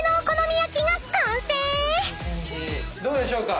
どうでしょうか？